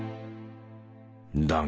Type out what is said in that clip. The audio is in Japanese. だが。